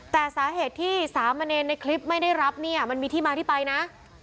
แต่สาเหตุที่สามเณรในคลิปไม่ได้รับเนี่ยมันมีที่มาที่ไปนะ